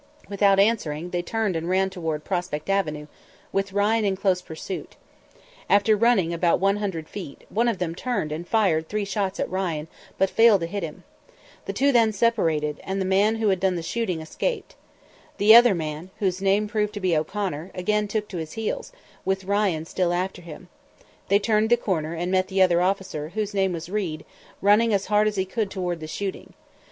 Without answering, they turned and ran toward Prospect Avenue, with Ryan in close pursuit. After running about one hundred feet, one of them turned and fired three shots at Ryan, but failed to hit him. The two then separated, and the man who had done the shooting escaped. The other man, whose name proved to be O'Connor, again took to his heels, with Ryan still after him; they turned the corner and met the other officer, whose name was Reid, running as hard as he could toward the shooting.